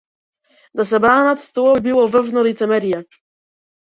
Да се бранат, тоа би било врвно лицемерие.